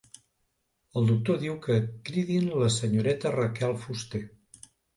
El doctor diu que cridin la senyoreta Raquel Fuster.